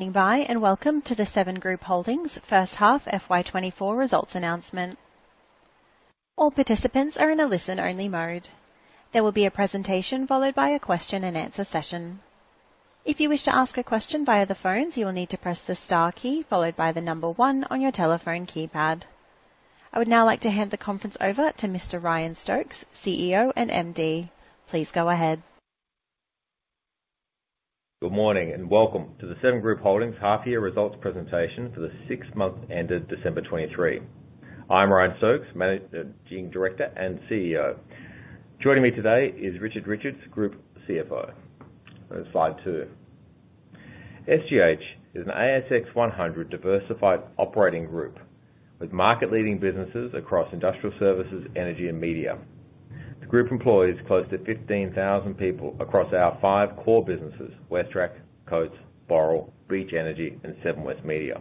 Good evening and welcome to the Seven Group Holdings First Half FY 2024 Results Announcement. All participants are in a listen-only mode. There will be a presentation followed by a question-and-answer session. If you wish to ask a question via the phones, you will need to press the star key followed by the number one on your telephone keypad. I would now like to hand the conference over to Mr. Ryan Stokes, CEO and MD. Please go ahead. Good morning and welcome to the Seven Group Holdings half-year results presentation for the sixth month ended December 2023. I'm Ryan Stokes, Managing Director and CEO. Joining me today is Richard Richards, Group CFO. Slide two. SGH is an ASX 100 diversified operating group with market-leading businesses across industrial services, energy, and media. The group employs close to 15,000 people across our five core businesses: WesTrac, Coates, Boral, Beach Energy, and Seven West Media.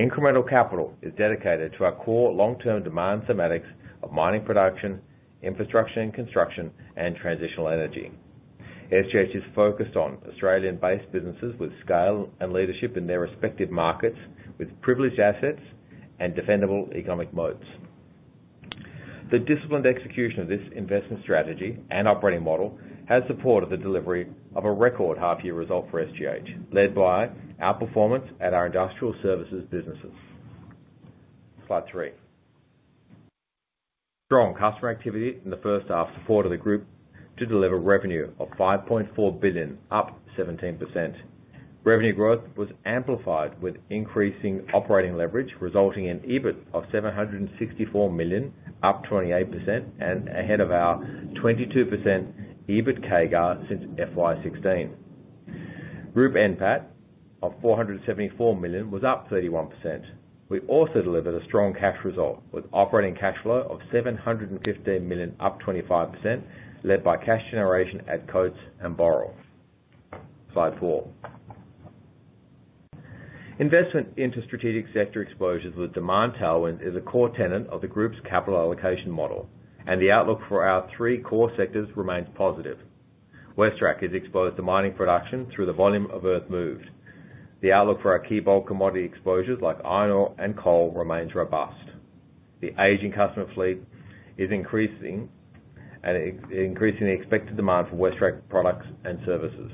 Incremental capital is dedicated to our core long-term demand thematics of mining production, infrastructure and construction, and transitional energy. SGH is focused on Australian-based businesses with scale and leadership in their respective markets, with privileged assets and defendable economic moats. The disciplined execution of this investment strategy and operating model has supported the delivery of a record half-year result for SGH, led by our performance at our industrial services businesses. Slide three. Strong customer activity in the first half supported the group to deliver revenue of 5.4 billion, up 17%. Revenue growth was amplified with increasing operating leverage, resulting in EBIT of 764 million, up 28%, and ahead of our 22% EBIT/CAGR since FY 2016. Group NPAT of 474 million was up 31%. We also delivered a strong cash result with operating cash flow of 715 million, up 25%, led by cash generation at Coates and Boral. Slide four. Investment into strategic sector exposures with demand tailwinds is a core tenet of the group's capital allocation model, and the outlook for our three core sectors remains positive. WesTrac is exposed to mining production through the volume of earth moved. The outlook for our key bulk commodity exposures like iron ore and coal remains robust. The aging customer fleet is increasing, and it's increasing the expected demand for WesTrac products and services.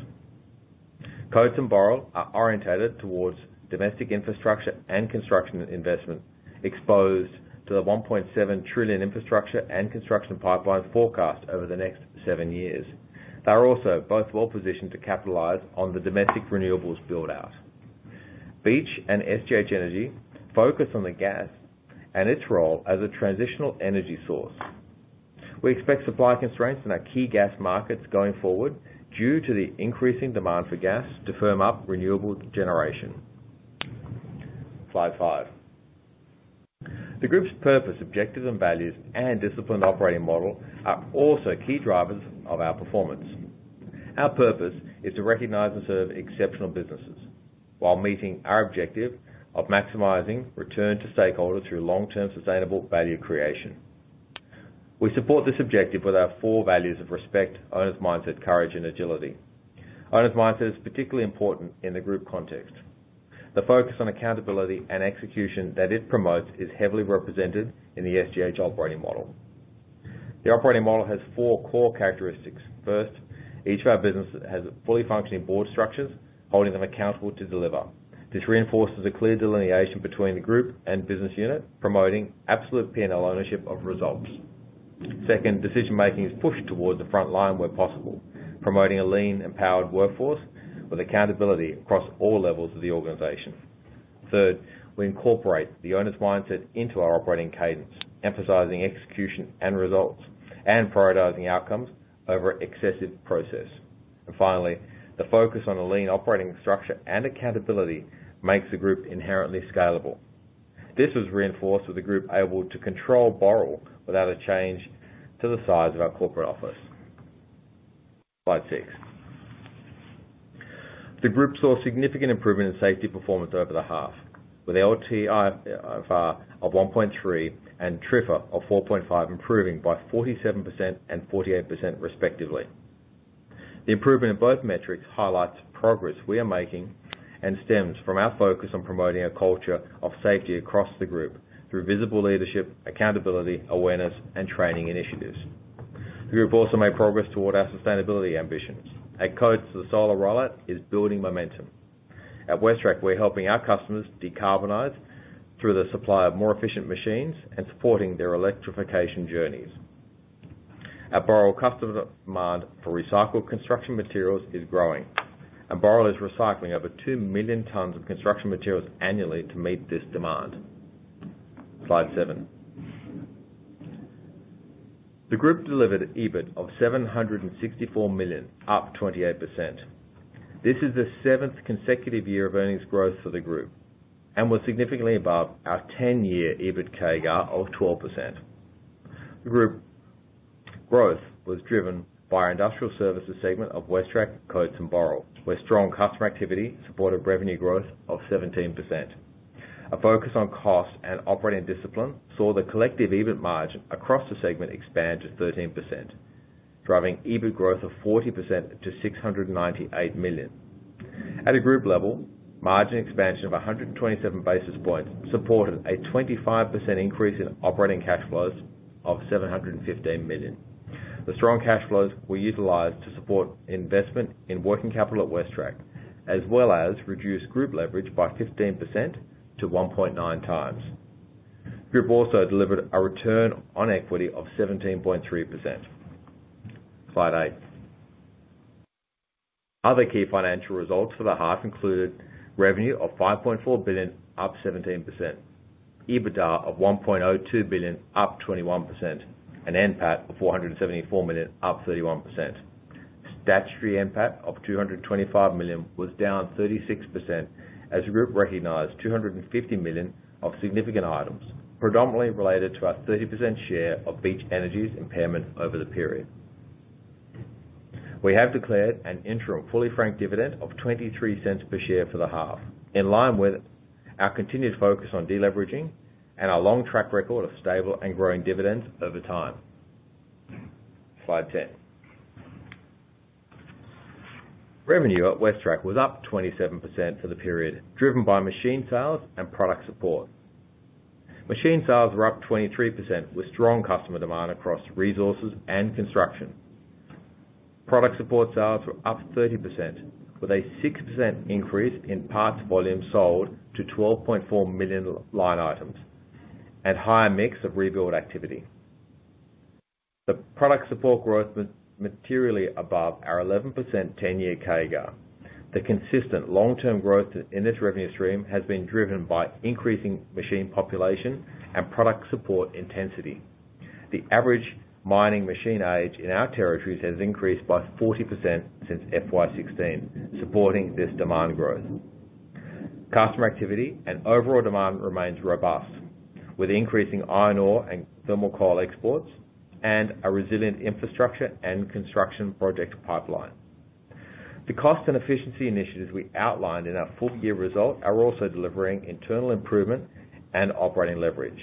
Coates and Boral are oriented towards domestic infrastructure and construction investment, exposed to the 1.7 trillion infrastructure and construction pipeline forecast over the next seven years. They are also both well-positioned to capitalize on the domestic renewables build-out. Beach and SGH Energy focus on the gas and its role as a transitional energy source. We expect supply constraints in our key gas markets going forward due to the increasing demand for gas to firm up renewable generation. Slide five. The group's purpose, objectives, and values, and disciplined operating model are also key drivers of our performance. Our purpose is to recognize and serve exceptional businesses while meeting our objective of maximizing return to stakeholders through long-term sustainable value creation. We support this objective with our four values of respect, owners' mindset, courage, and agility. Owners' mindset is particularly important in the group context. The focus on accountability and execution that it promotes is heavily represented in the SGH operating model. The operating model has four core characteristics. First, each of our businesses has fully functioning board structures holding them accountable to deliver. This reinforces a clear delineation between the group and business unit, promoting absolute P&L ownership of results. Second, decision-making is pushed towards the front line where possible, promoting a lean, empowered workforce with accountability across all levels of the organization. Third, we incorporate the owners' mindset into our operating cadence, emphasizing execution and results and prioritizing outcomes over excessive process. And finally, the focus on a lean operating structure and accountability makes the group inherently scalable. This was reinforced with the group able to control Boral without a change to the size of our corporate office. Slide six. The group saw significant improvement in safety performance over the half, with LTIFR of 1.3 and TRIFR of 4.5 improving by 47% and 48%, respectively. The improvement in both metrics highlights progress we are making and stems from our focus on promoting a culture of safety across the group through visible leadership, accountability, awareness, and training initiatives. The group also made progress toward our sustainability ambitions. At Coates, the solar rollout is building momentum. At WesTrac, we're helping our customers decarbonize through the supply of more efficient machines and supporting their electrification journeys. At Boral, customer demand for recycled construction materials is growing, and Boral is recycling over 2 million tons of construction materials annually to meet this demand. Slide seven. The group delivered EBIT of 764 million, up 28%. This is the seventh consecutive year of earnings growth for the group and was significantly above our 10-year EBIT/CAGR of 12%. The group growth was driven by our industrial services segment of WesTrac, Coates, and Boral, where strong customer activity supported revenue growth of 17%. A focus on cost and operating discipline saw the collective EBIT margin across the segment expand to 13%, driving EBIT growth of 40% to 698 million. At a group level, margin expansion of 127 basis points supported a 25% increase in operating cash flows of 715 million. The strong cash flows were utilized to support investment in working capital at WesTrac, as well as reduce group leverage by 15% to 1.9x. The group also delivered a return on equity of 17.3%. Slide eight. Other key financial results for the half included revenue of 5.4 billion, up 17%, EBITDA of 1.02 billion, up 21%, and NPAT of 474 million, up 31%. Statutory NPAT of 225 million was down 36% as the group recognised 250 million of significant items, predominantly related to our 30% share of Beach Energy's impairment over the period. We have declared an interim fully frank dividend of 0.23 per share for the half, in line with our continued focus on deleveraging and our long track record of stable and growing dividends over time. Slide 10. Revenue at WesTrac was up 27% for the period, driven by machine sales and product support. Machine sales were up 23% with strong customer demand across resources and construction. Product support sales were up 30% with a 6% increase in parts volume sold to 12.4 million line items and higher mix of rebuild activity. The product support growth was materially above our 11% 10-year CAGR. The consistent long-term growth in this revenue stream has been driven by increasing machine population and product support intensity. The average mining machine age in our territories has increased by 40% since FY 2016, supporting this demand growth. Customer activity and overall demand remains robust with increasing iron ore and thermal coal exports and a resilient infrastructure and construction project pipeline. The cost and efficiency initiatives we outlined in our full-year result are also delivering internal improvement and operating leverage.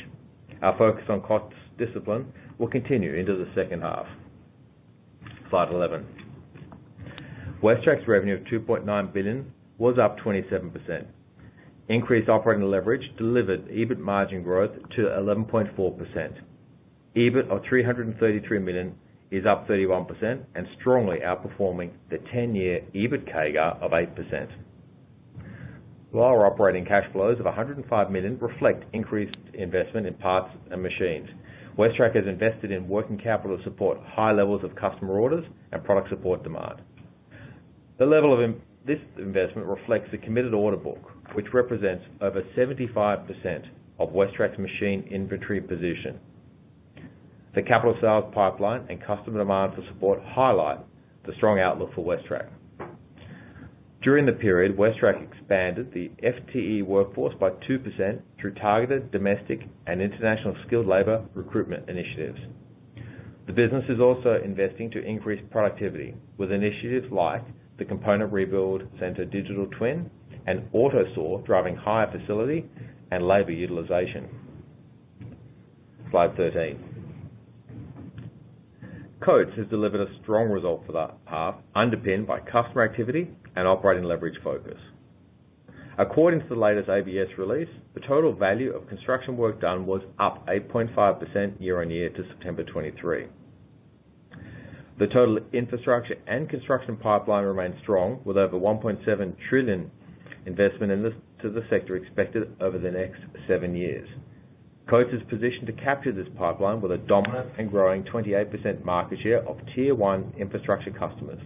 Our focus on cost discipline will continue into the second half. Slide 11. WesTrac's revenue of 2.9 billion was up 27%. Increased operating leverage delivered EBIT margin growth to 11.4%. EBIT of 333 million is up 31% and strongly outperforming the 10-year EBIT/CAGR of 8%. Lower operating cash flows of 105 million reflect increased investment in parts and machines. WesTrac has invested in working capital to support high levels of customer orders and product support demand. The level of this investment reflects the committed order book, which represents over 75% of WesTrac's machine inventory position. The capital sales pipeline and customer demand for support highlight the strong outlook for WesTrac. During the period, WesTrac expanded the FTE workforce by 2% through targeted domestic and international skilled labor recruitment initiatives. The business is also investing to increase productivity with initiatives like the Component Rebuild Centre digital twin and AutoStore, driving higher facility and labor utilization. Slide 13. Coates has delivered a strong result for that half, underpinned by customer activity and operating leverage focus. According to the latest ABS release, the total value of construction work done was up 8.5% year-on-year to September 2023. The total infrastructure and construction pipeline remains strong, with over 1.7 trillion investment in this to the sector expected over the next seven years. Coates is positioned to capture this pipeline with a dominant and growing 28% market share of tier one infrastructure customers.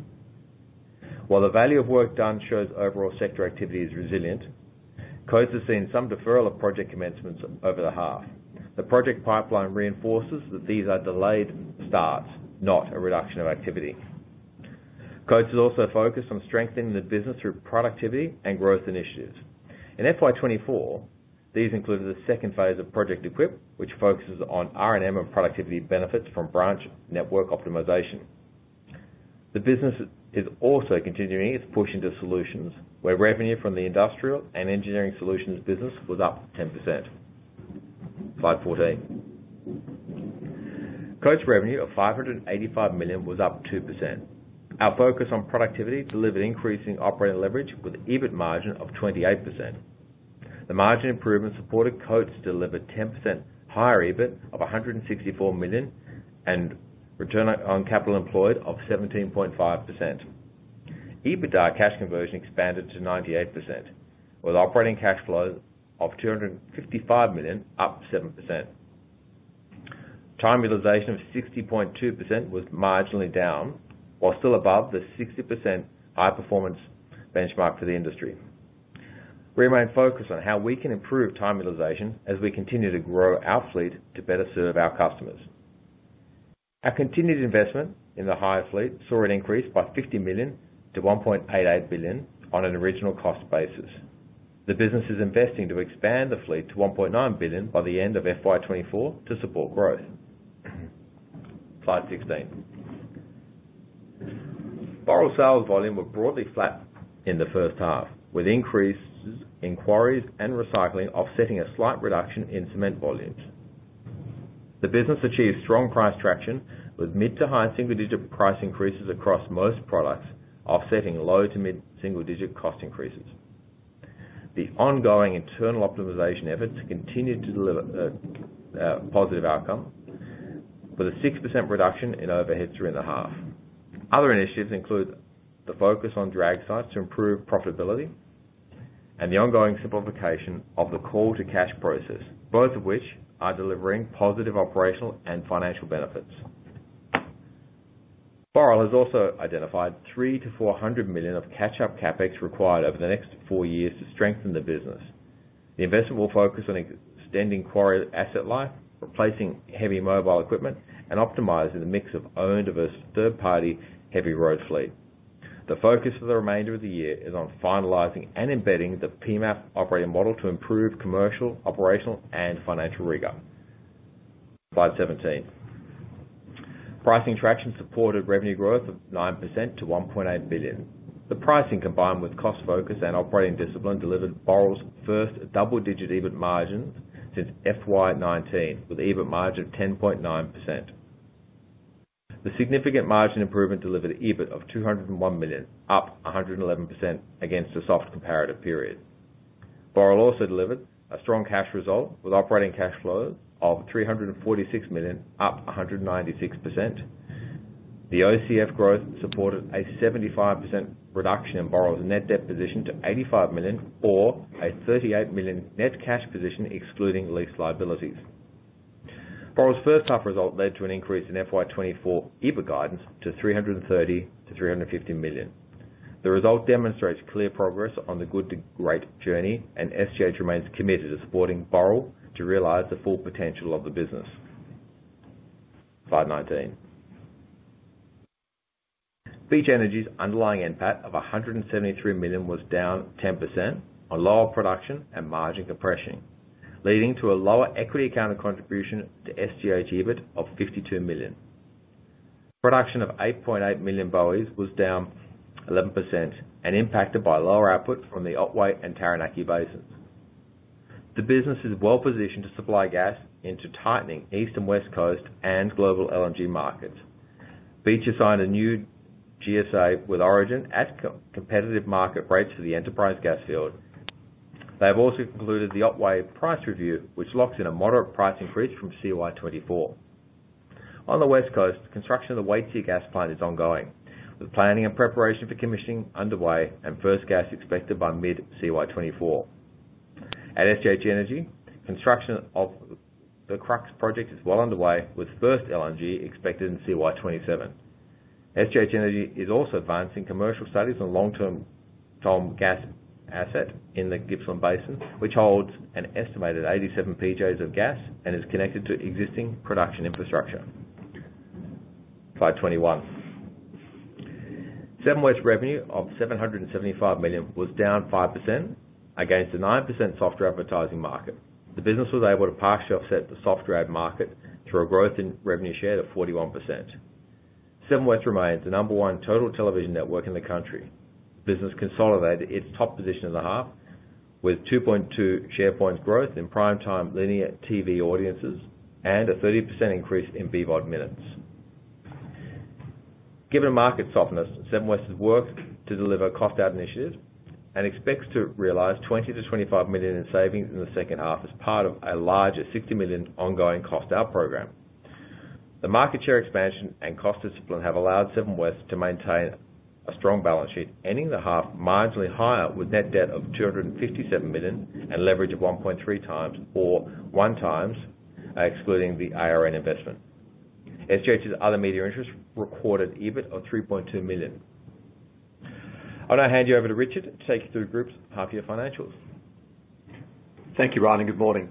While the value of work done shows overall sector activity is resilient, Coates has seen some deferral of project commencements over the half. The project pipeline reinforces that these are delayed starts, not a reduction of activity. Coates has also focused on strengthening the business through productivity and growth initiatives. In FY 2024, these included the second phase of Project Equip, which focuses on R&M and productivity benefits from branch network optimization. The business is also continuing its push into solutions, where revenue from the industrial and engineering solutions business was up 10%. Slide 14. Coates' revenue of 585 million was up 2%. Our focus on productivity delivered increasing operating leverage with EBIT margin of 28%. The margin improvement supported Coates deliver 10% higher EBIT of 164 million and return on capital employed of 17.5%. EBITDA cash conversion expanded to 98%, with operating cash flow of 255 million, up 7%. Time utilization of 60.2% was marginally down while still above the 60% high performance benchmark for the industry. We remain focused on how we can improve time utilization as we continue to grow our fleet to better serve our customers. Our continued investment in the hire fleet saw an increase by 50 million to 1.88 billion on an original cost basis. The business is investing to expand the fleet to 1.9 billion by the end of FY 2024 to support growth. Slide 16. Boral sales volume were broadly flat in the first half, with increased inquiries and recycling offsetting a slight reduction in cement volumes. The business achieved strong price traction with mid- to high-single-digit price increases across most products, offsetting low- to mid-single-digit cost increases. The ongoing internal optimization efforts continue to deliver a positive outcome with a 6% reduction in overheads during the half. Other initiatives include the focus on drag sites to improve profitability and the ongoing simplification of the call to cash process, both of which are delivering positive operational and financial benefits. Boral has also identified 300 million-400 million of catch-up CapEx required over the next four years to strengthen the business. The investment will focus on extending quarry asset life, replacing heavy mobile equipment, and optimizing the mix of owned versus third-party heavy road fleet. The focus for the remainder of the year is on finalizing and embedding the PEMAF operating model to improve commercial, operational, and financial rigor. Slide 17. Pricing traction supported revenue growth of 9% to 1.8 billion. The pricing, combined with cost focus and operating discipline, delivered Boral's first double-digit EBIT margins since FY 2019, with EBIT margin of 10.9%. The significant margin improvement delivered EBIT of 201 million, up 111% against a soft comparative period. Boral also delivered a strong cash result with operating cash flows of 346 million, up 196%. The OCF growth supported a 75% reduction in Boral's net debt position to 85 million or a 38 million net cash position excluding lease liabilities. Boral's first half result led to an increase in FY 2024 EBIT guidance to 330 million-350 million. The result demonstrates clear progress on the Good to Great journey, and SGH remains committed to supporting Boral to realize the full potential of the business. Slide 19. Beach Energy's underlying NPAT of 173 million was down 10% on lower production and margin compression, leading to a lower equity accountend contribution to SGH EBIT of 52 million. Production of 8.8 million BOE was down 11% and impacted by lower output from the Otway and Taranaki basins. The business is well positioned to supply gas into tightening east and west coast and global LNG markets. Beach has signed a new GSA with Origin at competitive market rates for the Enterprise gas field. They have also concluded the Otway price review, which locks in a moderate price increase from CY 2024. On the west coast, construction of the Waitsia gas plant is ongoing, with planning and preparation for commissioning underway and first gas expected by mid CY 2024. At SGH Energy, construction of the Crux project is well underway, with first LNG expected in CY 2027. SGH Energy is also advancing commercial studies on Longtom gas asset in the Gippsland Basin, which holds an estimated 87 PJs of gas and is connected to existing production infrastructure. Slide 21. Seven West revenue of 775 million was down 5% against a 9% softer advertising market. The business was able to partially offset the softer ad market through a growth in revenue share of 41%. Seven West remains the number one total television network in the country. The business consolidated its top position in the half with 2.2 share points growth in primetime linear TV audiences and a 30% increase in BVOD minutes. Given market softness, Seven West has worked to deliver cost out initiatives and expects to realize 20 million-25 million in savings in the second half as part of a larger 60 million ongoing cost out program. The market share expansion and cost discipline have allowed Seven West to maintain a strong balance sheet, ending the half marginally higher with net debt of 257 million and leverage of 1.3x or 1x, excluding the ARN investment. SGH's other media interests recorded EBIT of 3.2 million. I'm going to hand you over to Richard to take you through the group's half-year financials. Thank you, Ryan. Good morning.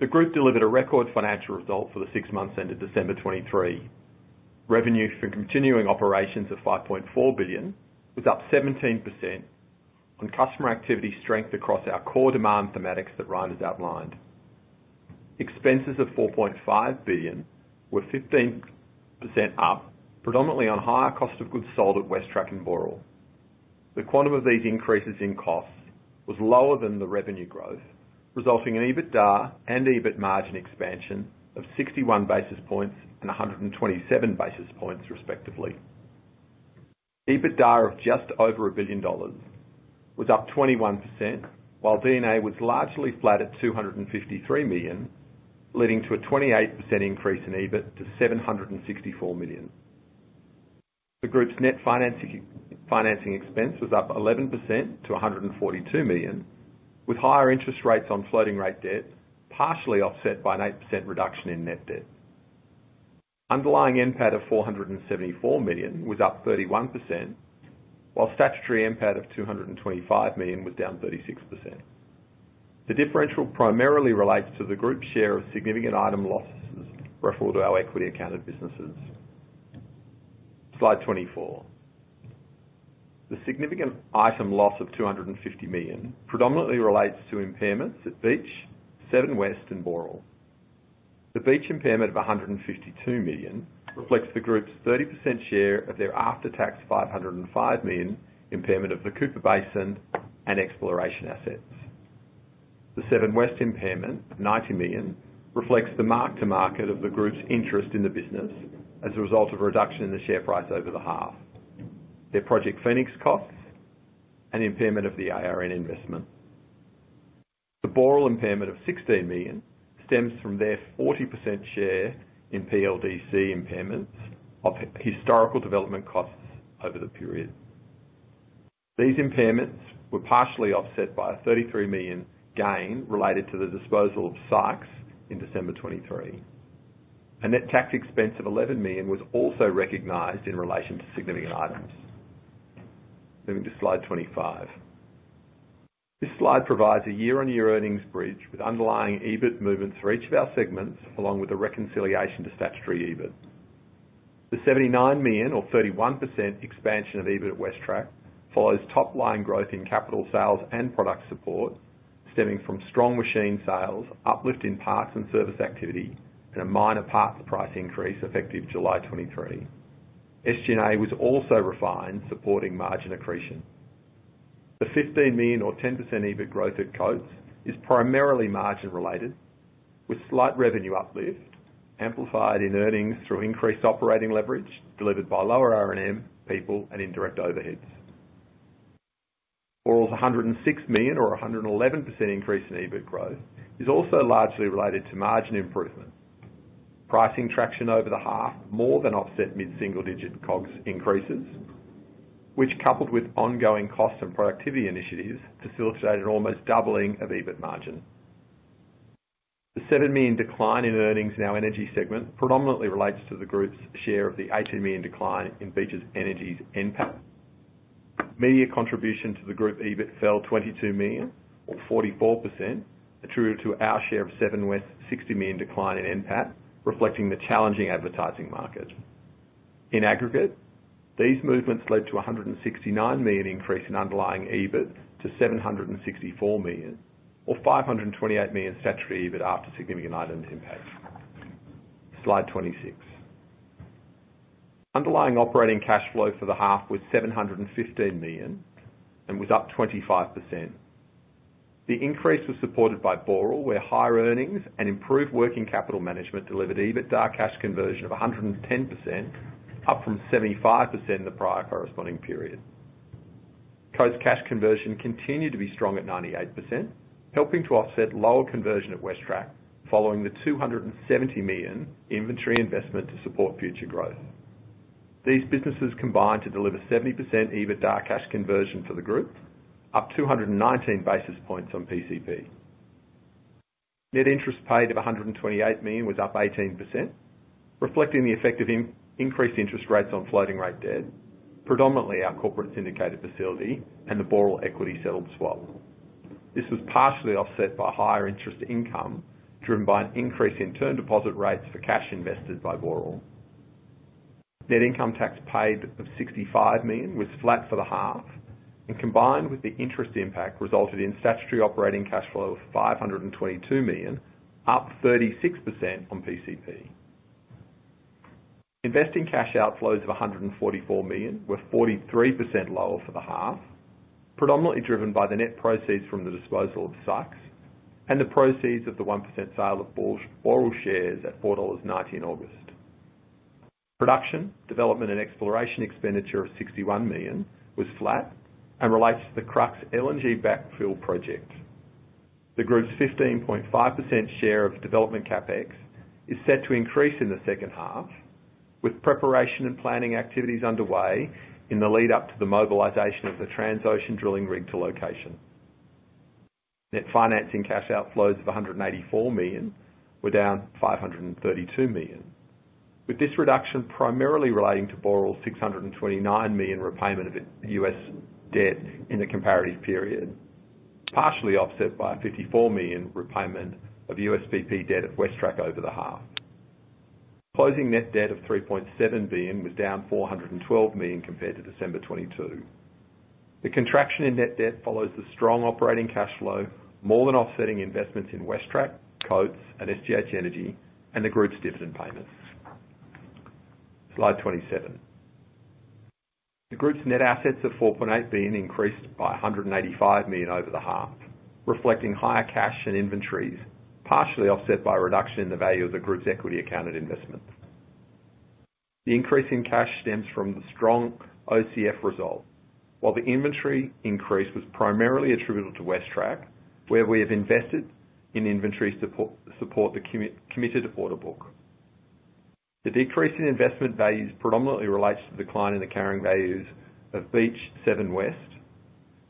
The group delivered a record financial result for the six months ended December 2023. Revenue from continuing operations of 5.4 billion was up 17% on customer activity strength across our core demand thematics that Ryan has outlined. Expenses of 4.5 billion were 15% up, predominantly on higher cost of goods sold at WesTrac and Boral. The quantum of these increases in costs was lower than the revenue growth, resulting in EBITDA and EBIT margin expansion of 61 basis points and 127 basis points, respectively. EBITDA of just over 1 billion dollars was up 21%, while D&A was largely flat at 253 million, leading to a 28% increase in EBIT to 764 million. The group's net financing expense was up 11% to 142 million, with higher interest rates on floating rate debt partially offset by an 8% reduction in net debt. Underlying NPAT of 474 million was up 31%, while statutory NPAT of 225 million was down 36%. The differential primarily relates to the group's share of significant item losses referable to our equity accounted businesses. Slide 24. The significant item loss of 250 million predominantly relates to impairments at Beach, Seven West, and Boral. The Beach impairment of 152 million reflects the group's 30% share of their after-tax 505 million impairment of the Cooper Basin and exploration assets. The Seven West impairment of 90 million reflects the mark-to-market of the group's interest in the business as a result of a reduction in the share price over the half, their Project Phoenix costs, and impairment of the ARN investment. The Boral impairment of 16 million stems from their 40% share in PLDC impairments of historical development costs over the period. These impairments were partially offset by an 33 million gain related to the disposal of Sykes in December 2023. A net tax expense of 11 million was also recognized in relation to significant items. Moving to slide 25. This slide provides a year-on-year earnings bridge with underlying EBIT movements for each of our segments, along with a reconciliation to statutory EBIT. The 79 million or 31% expansion of EBIT at WesTrac follows top-line growth in capital sales and product support, stemming from strong machine sales, uplift in parts and service activity, and a minor parts price increase effective July 2023. SG&A was also refined, supporting margin accretion. The 15 million or 10% EBIT growth at Coates is primarily margin related, with slight revenue uplift amplified in earnings through increased operating leverage delivered by lower R&M, people, and indirect overheads. 106 million or 111% increase in EBIT growth is also largely related to margin improvement. Pricing traction over the half more than offset mid single digit COGS increases, which, coupled with ongoing cost and productivity initiatives, facilitated almost doubling of EBIT margin. The 7 million decline in earnings in our energy segment predominantly relates to the group's share of the 18 million decline in Beach Energy's NPAT. Media contribution to the group EBIT fell 22 million or 44%, attributed to our share of Seven West's 60 million decline in NPAT, reflecting the challenging advertising market. In aggregate, these movements led to a 169 million increase in underlying EBIT to 764 million or 528 million statutory EBIT after significant item impact. Slide 26. Underlying operating cash flow for the half was 715 million and was up 25%. The increase was supported by Boral, where higher earnings and improved working capital management delivered EBITDA cash conversion of 110%, up from 75% in the prior corresponding period. Coates cash conversion continued to be strong at 98%, helping to offset lower conversion at WesTrac following the 270 million inventory investment to support future growth. These businesses combined to deliver 70% EBITDA cash conversion for the group, up 219 basis points on PCP. Net interest paid of 128 million was up 18%, reflecting the effect of increased interest rates on floating rate debt, predominantly our corporate syndicated facility and the Boral equity settled swap. This was partially offset by higher interest income driven by an increase in term deposit rates for cash invested by Boral. Net income tax paid of AUD 65 million was flat for the half and combined with the interest impact resulted in statutory operating cash flow of 522 million, up 36% on PCP. Investing cash outflows of 144 million were 43% lower for the half, predominantly driven by the net proceeds from the disposal of Sykes and the proceeds of the 1% sale of Boral shares at 4.90 dollars in August. Production, development, and exploration expenditure of 61 million was flat and relates to the Crux LNG backfill project. The group's 15.5% share of development CapEx is set to increase in the second half, with preparation and planning activities underway in the lead-up to the mobilization of the Transocean drilling rig to location. Net financing cash outflows of 184 million were down 532 million, with this reduction primarily relating to Boral's $629 million repayment of U.S. debt in the comparative period, partially offset by a $54 million repayment of USPP debt at WesTrac over the half. Closing net debt of 3.7 billion was down 412 million compared to December 2022. The contraction in net debt follows the strong operating cash flow more than offsetting investments in WesTrac, Coates, and SGH Energy and the group's dividend payments. Slide 27. The group's net assets of 4.8 billion increased by 185 million over the half, reflecting higher cash and inventories, partially offset by a reduction in the value of the group's equity-accounted investment. The increase in cash stems from the strong OCF result, while the inventory increase was primarily attributed to WesTrac, where we have invested in inventory to support the committed order book. The decrease in investment values predominantly relates to the decline in the carrying values of Beach, Seven West.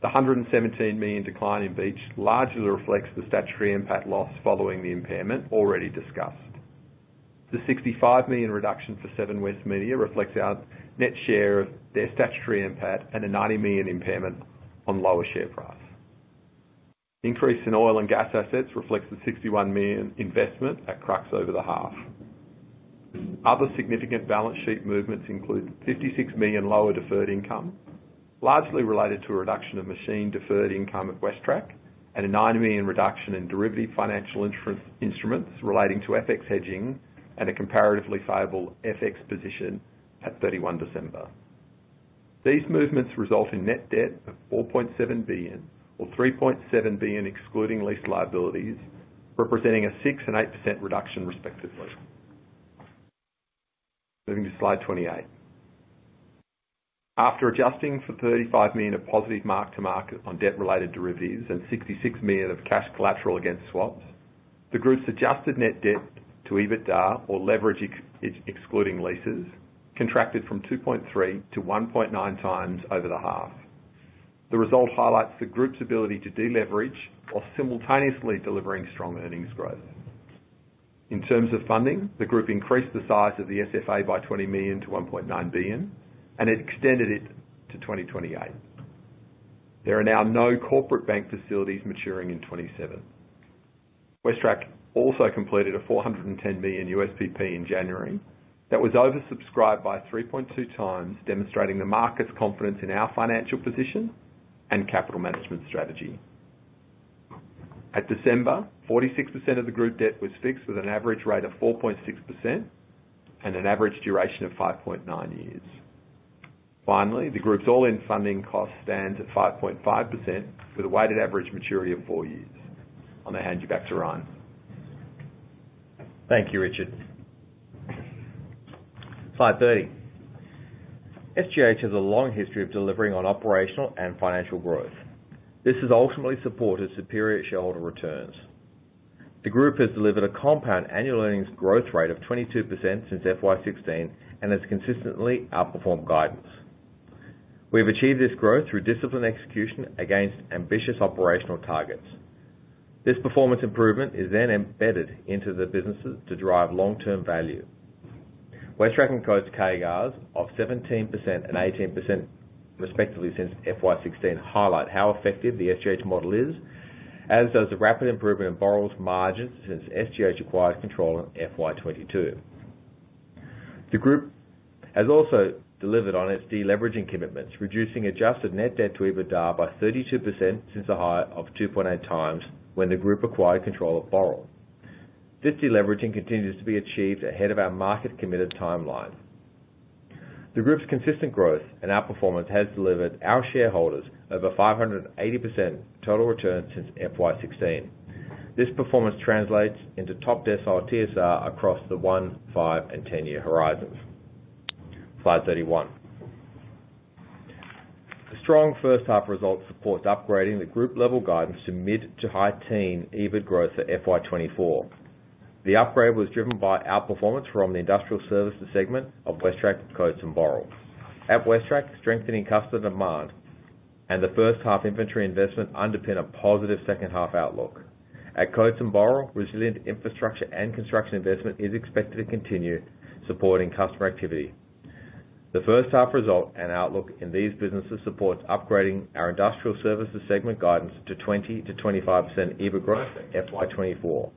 The 117 million decline in Beach largely reflects the statutory NPAT loss following the impairment already discussed. The 65 million reduction for Seven West Media reflects our net share of their statutory NPAT and a 90 million impairment on lower share price. The increase in oil and gas assets reflects the 61 million investment at Crux over the half. Other significant balance sheet movements include 56 million lower deferred income, largely related to a reduction of machine deferred income at WesTrac, and a 9 million reduction in derivative financial instruments relating to FX hedging and a comparatively favorable FX position at 31 December. These movements result in net debt of 4.7 billion or 3.7 billion excluding lease liabilities, representing a 6% and 8% reduction, respectively. Moving to slide 28. After adjusting for 35 million of positive mark-to-market on debt-related derivatives and 66 million of cash collateral against swaps, the group's adjusted net debt to EBITDA or leverage excluding leases contracted from 2.3x to 1.9x over the half. The result highlights the group's ability to deleverage while simultaneously delivering strong earnings growth. In terms of funding, the group increased the size of the SFA by 20 million to 1.9 billion, and it extended it to 2028. There are now no corporate bank facilities maturing in 2027. WesTrac also completed a $410 million USPP in January that was oversubscribed by 3.2x, demonstrating the market's confidence in our financial position and capital management strategy. At December, 46% of the group debt was fixed with an average rate of 4.6% and an average duration of 5.9 years. Finally, the group's all-in funding cost stands at 5.5% with a weighted average maturity of four years. I'm going to hand you back to Ryan. Thank you, Richard. Slide 30. SGH has a long history of delivering on operational and financial growth. This has ultimately supported superior shareholder returns. The group has delivered a compound annual earnings growth rate of 22% since FY 2016 and has consistently outperformed guidance. We have achieved this growth through disciplined execution against ambitious operational targets. This performance improvement is then embedded into the businesses to drive long-term value. WesTrac and Coates CAGRs of 17% and 18%, respectively, since FY 2016 highlight how effective the SGH model is, as does the rapid improvement in Boral's margins since SGH acquired control in FY 2022. The group has also delivered on its deleveraging commitments, reducing adjusted net debt to EBITDA by 32% since the high of 2.8x when the group acquired control of Boral. This deleveraging continues to be achieved ahead of our market-committed timeline. The group's consistent growth and outperformance has delivered our shareholders over 580% total return since FY 2016. This performance translates into top decile TSR across the one, five, and 10-year horizons. Slide 31. The strong first-half result supports upgrading the group-level guidance to mid to high-teen EBIT growth for FY 2024. The upgrade was driven by outperformance from the industrial services segment of WesTrac, Coates, and Boral. At WesTrac, strengthening customer demand and the first-half inventory investment underpin a positive second-half outlook. At Coates and Boral, resilient infrastructure and construction investment is expected to continue, supporting customer activity. The first-half result and outlook in these businesses supports upgrading our industrial services segment guidance to 20%-25% EBIT growth for FY 2024.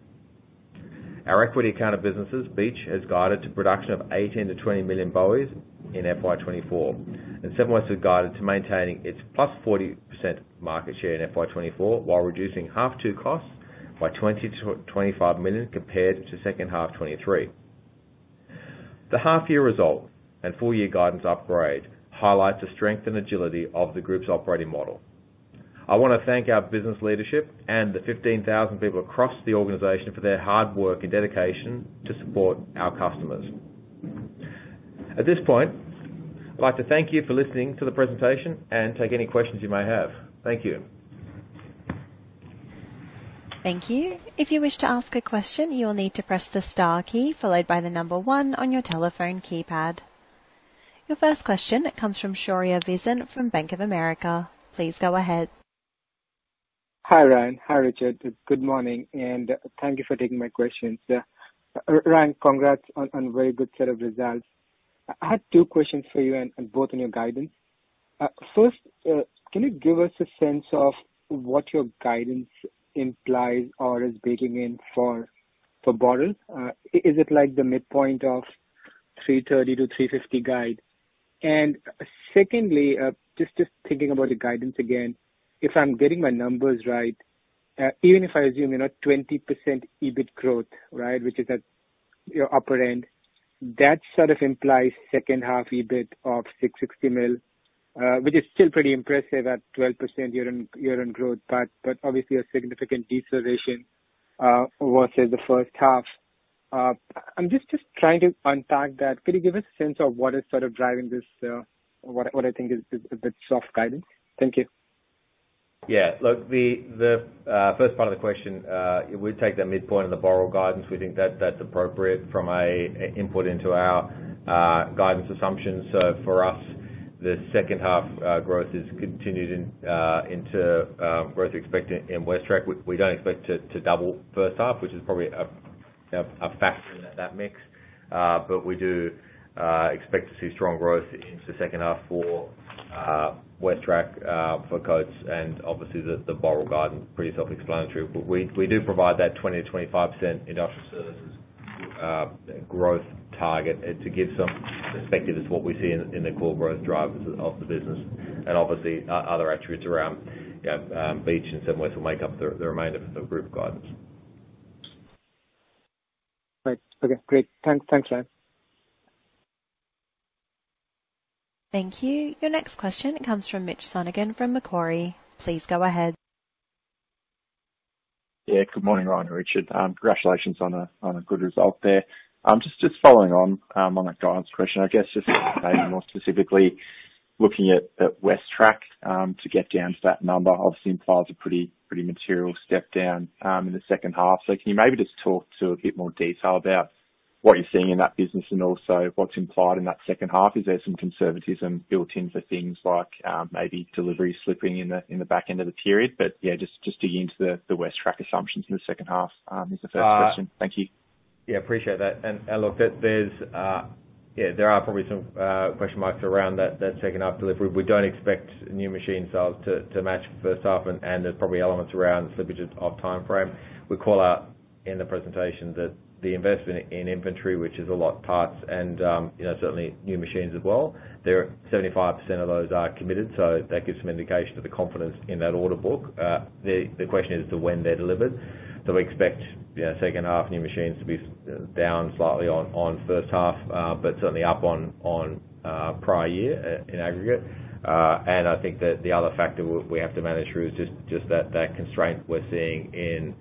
Our equity accounted businesses, Beach, has guided to production of 18-20 million BOE in FY 2024, and Seven West has guided to maintaining its +40% market share in FY 2024 while reducing H2 costs by 20 million-25 million compared to second-half 2023. The half-year result and four-year guidance upgrade highlights the strength and agility of the group's operating model. I want to thank our business leadership and the 15,000 people across the organization for their hard work and dedication to support our customers. At this point, I'd like to thank you for listening to the presentation and take any questions you may have. Thank you. Thank you. If you wish to ask a question, you will need to press the star key followed by the number one on your telephone keypad. Your first question comes from Shaurya Visen from Bank of America. Please go ahead. Hi, Ryan. Hi, Richard. Good morning. Thank you for taking my questions. Ryan, congrats on a very good set of results. I had two questions for you and both on your guidance. First, can you give us a sense of what your guidance implies or is baking in for Boral? Is it like the midpoint of the 330-350 million guide? Secondly, just thinking about your guidance again, if I'm getting my numbers right, even if I assume 20% EBIT growth, right, which is at your upper end, that sort of implies second-half EBIT of 660 million, which is still pretty impressive at 12% year-on-year growth, but obviously a significant deceleration versus the first half. I'm just trying to unpack that. Can you give us a sense of what is sort of driving this, what I think is a bit soft guidance? Thank you. Yeah. Look, the first part of the question, we'd take that midpoint on the Boral guidance. We think that's appropriate from an input into our guidance assumptions. So for us, the second-half growth is continued into growth expected in WesTrac. We don't expect to double first-half, which is probably a factor in that mix. But we do expect to see strong growth into second-half for WesTrac, for Coates, and obviously the Boral guidance, pretty self-explanatory. We do provide that 20%-25% industrial services growth target to give some perspective as to what we see in the core growth drivers of the business. And obviously, other attributes around Beach and Seven West will make up the remainder of the group guidance. Great. Okay. Great. Thanks, Ryan. Thank you. Your next question, it comes from Mitch Sonogan from Macquarie. Please go ahead. Yeah. Good morning, Ryan and Richard. Congratulations on a good result there. Just following on that guidance question, I guess just maybe more specifically looking at WesTrac to get down to that number, obviously implies a pretty material step down in the second half. So can you maybe just talk to a bit more detail about what you're seeing in that business and also what's implied in that second half? Is there some conservatism built-in for things like maybe delivery slipping in the back end of the period? But yeah, just digging into the WesTrac assumptions in the second half is the first question. Thank you. Yeah. Appreciate that. And look, yeah, there are probably some question marks around that second-half delivery. We don't expect new machine sales to match first-half, and there's probably elements around slippages of timeframe. We call out in the presentation that the investment in inventory, which is a lot of parts and certainly new machines as well, 75% of those are committed. So that gives some indication of the confidence in that order book. The question is to when they're delivered. So we expect second-half new machines to be down slightly on first-half, but certainly up on prior year in aggregate. And I think that the other factor we have to manage through is just that constraint we're seeing in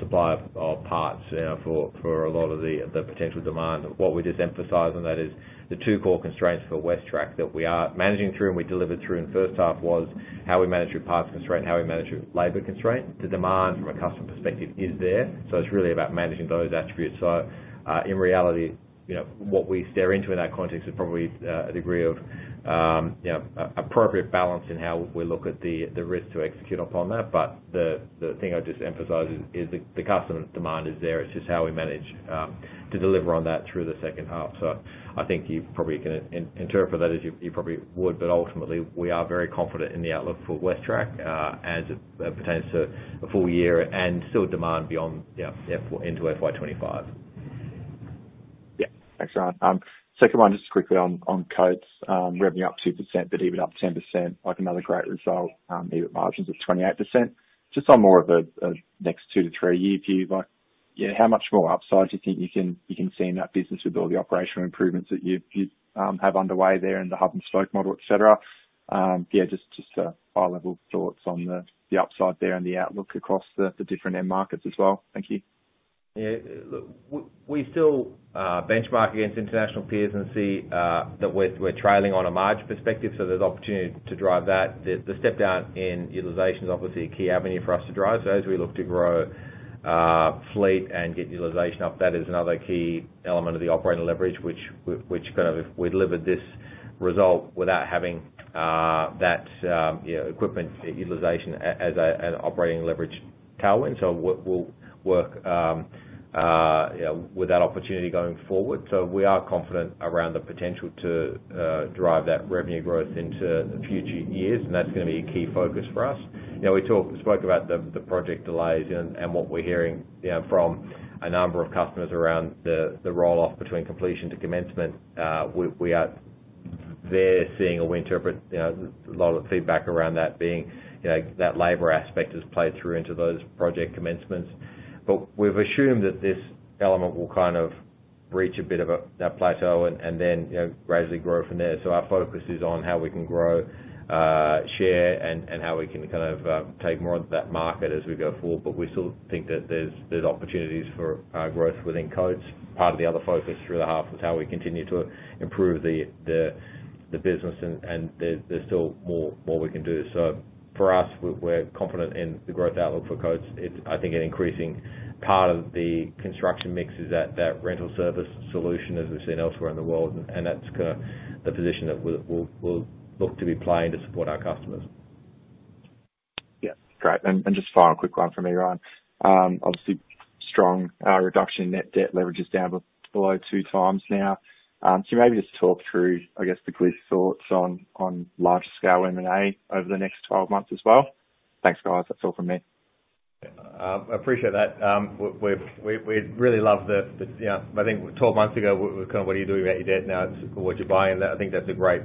supply of parts for a lot of the potential demand. What we just emphasize on that is the two core constraints for WesTrac that we are managing through and we delivered through in first half was how we manage through parts constraint and how we manage through labor constraint. The demand from a customer perspective is there. So it's really about managing those attributes. So in reality, what we stare into in that context is probably a degree of appropriate balance in how we look at the risk to execute upon that. But the thing I just emphasize is the customer demand is there. It's just how we manage to deliver on that through the second half. So I think you probably can interpret that as you probably would. But ultimately, we are very confident in the outlook for WesTrac as it pertains to the full year and still demand into FY 2025. Yeah. Thanks, Ryan. So come on, just quickly on Coates, revenue up 2%, but EBIT up 10%, another great result, EBIT margins of 28%. Just on more of a next two to three year view, yeah, how much more upside do you think you can see in that business with all the operational improvements that you have underway there and the hub and spoke model, etc.? Yeah, just high-level thoughts on the upside there and the outlook across the different end markets as well. Thank you. Yeah. Look, we still benchmark against international peers and see that we're trailing on a margin perspective. So there's opportunity to drive that. The step down in utilization is obviously a key avenue for us to drive. So as we look to grow fleet and get utilization up, that is another key element of the operating leverage, which kind of if we delivered this result without having that equipment utilization as an operating leverage tailwind, so we'll work with that opportunity going forward. So we are confident around the potential to drive that revenue growth into the future years, and that's going to be a key focus for us. We spoke about the project delays and what we're hearing from a number of customers around the roll-off between completion to commencement. They're seeing a wind turbine, a lot of feedback around that being that labor aspect has played through into those project commencements. But we've assumed that this element will kind of reach a bit of that plateau and then gradually grow from there. So our focus is on how we can grow share and how we can kind of take more of that market as we go forward. But we still think that there's opportunities for growth within Coates. Part of the other focus through the half is how we continue to improve the business, and there's still more we can do. So for us, we're confident in the growth outlook for Coates. I think an increasing part of the construction mix is that rental service solution as we've seen elsewhere in the world. And that's kind of the position that we'll look to be playing to support our customers. Yeah. Great. Just final quick one from me, Ryan. Obviously, strong reduction in net debt leverage is down below 2x now. Can you maybe just talk through, I guess, the group's thoughts on larger-scale M&A over the next 12 months as well? Thanks, guys. That's all from me. I appreciate that. We really love the I think 12 months ago, it was kind of, "What are you doing about your debt now? What are you buying?" I think that's a great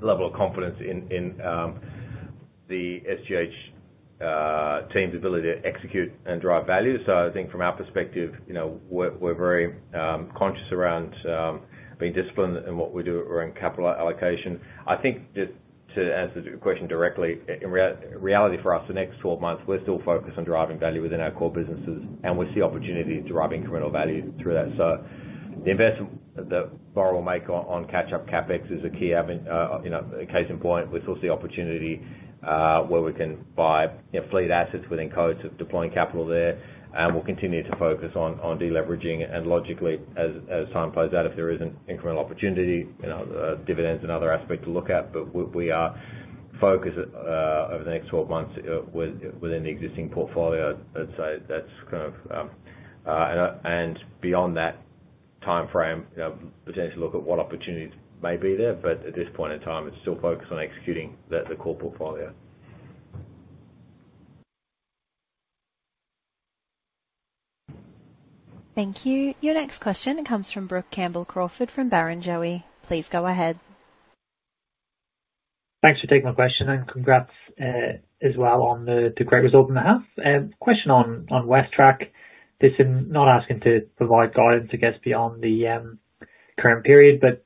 level of confidence in the SGH team's ability to execute and drive value. So I think from our perspective, we're very conscious around being disciplined in what we do around capital allocation. I think just to answer the question directly, in reality for us, the next 12 months, we're still focused on driving value within our core businesses, and we see opportunities to drive incremental value through that. So the investment that Boral will make on catch-up CapEx is a key case in point. We still see opportunity where we can buy fleet assets within Coates of deploying capital there. And we'll continue to focus on deleveraging. Logically, as time plays out, if there isn't incremental opportunity, dividends and other aspects to look at. We are focused over the next 12 months within the existing portfolio. I'd say that's kind of and beyond that timeframe, potentially look at what opportunities may be there. At this point in time, it's still focused on executing the core portfolio. Thank you. Your next question, it comes from Brook Campbell-Crawford from Barrenjoey. Please go ahead. Thanks for taking my question, and congrats as well on the great result on the half. Question on WesTrac. This is not asking to provide guidance, I guess, beyond the current period, but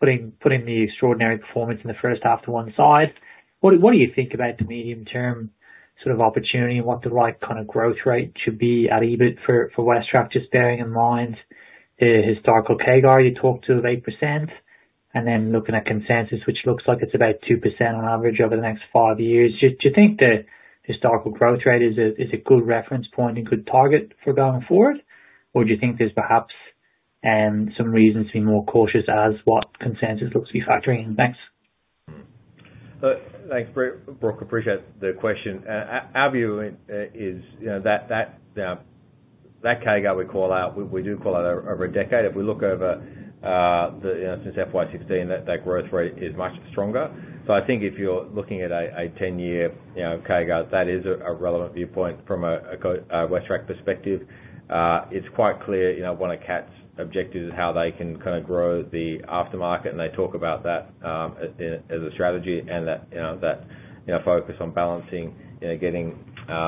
putting the extraordinary performance in the first half to one side, what do you think about the medium-term sort of opportunity and what the right kind of growth rate should be at EBIT for WesTrac, just bearing in mind the historical CAGR you talked to of 8%? And then looking at consensus, which looks like it's about 2% on average over the next five years, do you think the historical growth rate is a good reference point and good target for going forward? Or do you think there's perhaps some reasons to be more cautious as what consensus looks to be factoring in next? Look, Brook, appreciate the question. Our view is that CAGR we call out, we do call out over a decade. If we look over since FY 2016, that growth rate is much stronger. So I think if you're looking at a 10-year CAGR, that is a relevant viewpoint from a WesTrac perspective. It's quite clear one of Cat's objectives is how they can kind of grow the aftermarket, and they talk about that as a strategy and that focus on balancing, getting